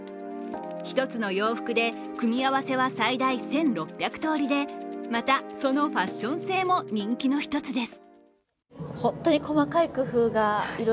一つの洋服で組み合わせは最大１６００通りでまた、そのファッション性も人気の１つです。